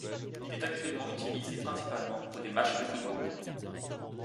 Il est actuellement utilisé principalement pour des matchs de football.